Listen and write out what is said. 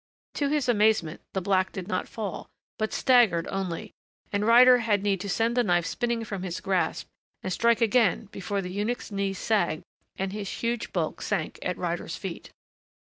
To his amazement the black did not fall, but staggered only, and Ryder had need to send the knife spinning from his grasp and strike again before the eunuch's knees sagged and his huge bulk sank at Ryder's feet.